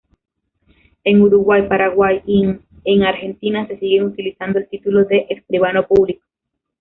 En Uruguay, Paraguay y en Argentina se sigue utilizando el título de Escribano Público.